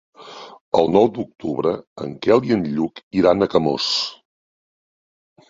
El nou d'octubre en Quel i en Lluc iran a Camós.